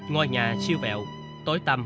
ngoài nhà siêu vẹo tối tăm